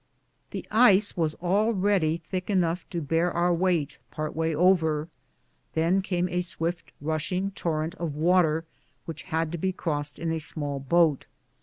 The ice was already thick enough to bear our weight part way over; then came a swift rushing torrent of water which had to be crossed in a small boat.